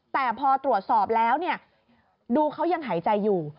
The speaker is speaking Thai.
แต่พอตรวจสอบแล้วดูเขายังหายใจอยู่